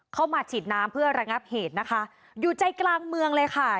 เข้ามาฉีดน้ำเพื่อระงับเหตุนะคะอยู่ใจกลางเมืองเลยค่ะ